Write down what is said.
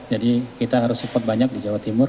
jadi kita harus support banyak di jawa timur